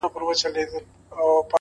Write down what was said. شراب نوشۍ کي مي له تا سره قرآن کړی دی _